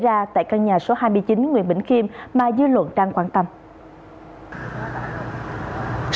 ra tại căn nhà số hai mươi chín nguyễn bình khiêm mà dư luận đang quan tâm